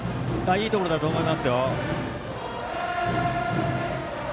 いいところだと思います。